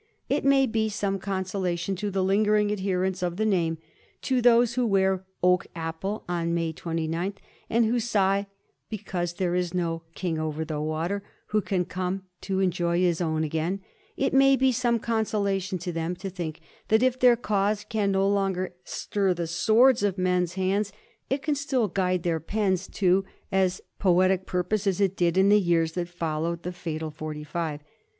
It may be some conso lation to the lingering adherents of the name, to those who wear oak apple on May 20th, and who sigh because there is no " king over the water " who can come to " en joy his own again" — it may be some consolation to them to think that if their cause can no longer stir the swords in men's hands, it can still guide their pens to as poetic purpose as it did in the years that followed the fatal Forty five.